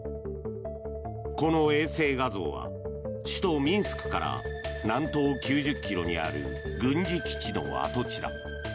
この衛星画像は首都ミンスクから南東９０ｋｍにある軍事基地の跡地だ。